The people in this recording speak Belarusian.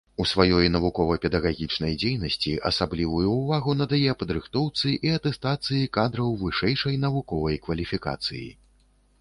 У сваёй навукова-педагагічнай дзейнасці асаблівую ўвагу надае падрыхтоўцы і атэстацыі кадраў вышэйшай навуковай кваліфікацыі.